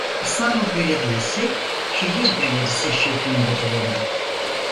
İstanbul Belediyesi Şehir Galerisi şefliğinde bulundu.